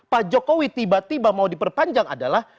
pak jokowi tiba tiba mau diperpanjang adalah